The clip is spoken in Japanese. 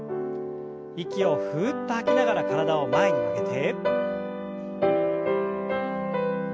息をふっと吐きながら体を前に曲げて。